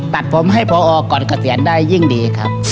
ตัดผมให้พอก่อนเกษียณได้ยิ่งดีครับ